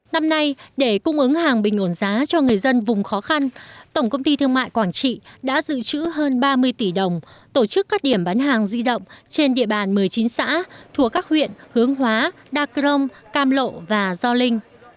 năm nay để cung ứng hàng bình ồn giá cho người dân vùng khó khăn tổng công ty thương mại quảng trị đã dự trữ hơn ba mươi tỷ đồng tổ chức các điểm bán hàng di động trên địa bàn một mươi chín xã thùa các huyện hương hóa đa cơ rông cam lộ và do linh